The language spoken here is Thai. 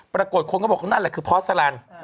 ปรากฏคนก็บอกของนั่นละคือพอร์สซัลลัญ